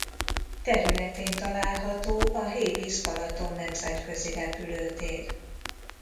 Területén található a Hévíz-Balaton nemzetközi repülőtér.